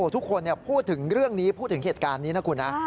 ทุกคนพูดถึงเรื่องนี้พูดถึงเหตุการณ์นี้นะคุณนะ